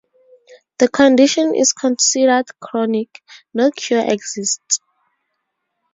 The condition is considered chronic; no cure exists.